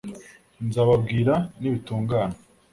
nzababwira nibitungana